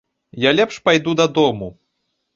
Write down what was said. Я лепш пайду дадому.